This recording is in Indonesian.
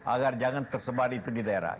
agar jangan tersebar itu di daerah